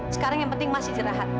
sekarang yang penting masih jerahat